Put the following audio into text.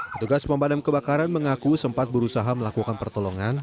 petugas pemadam kebakaran mengaku sempat berusaha melakukan pertolongan